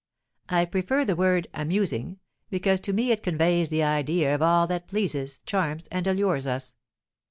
I prefer the word 'amusing,' because to me it conveys the idea of all that pleases, charms, and allures us.